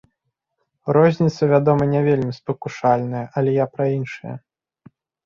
Розніца, вядома, не вельмі спакушальная, але я пра іншае.